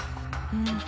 うん。